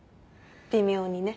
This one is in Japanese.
微妙にね。